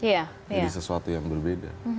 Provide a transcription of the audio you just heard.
jadi sesuatu yang berbeda